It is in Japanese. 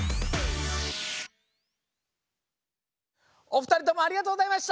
おふたりともありがとうございました！